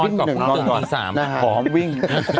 นอนก่อนพร้อมวิ่ง